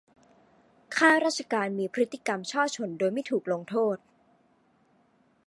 ข้าราชการมีพฤติกรรมฉ้อฉลโดยไม่ถูกลงโทษ